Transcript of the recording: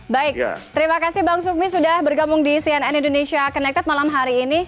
baik terima kasih bang sukmi sudah bergabung di cnn indonesia connected malam hari ini